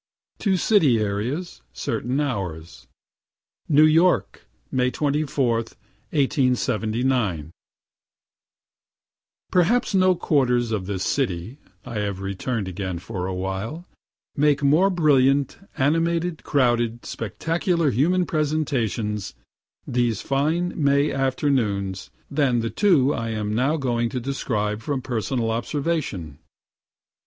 TWO CITY AREAS, CERTAIN HOURS NEW YORK, May 24, '79. Perhaps no quarters of this city (I have return'd again for awhile,) make more brilliant, animated, crowded, spectacular human presentations these fine May afternoons than the two I am now going to describe from personal observation.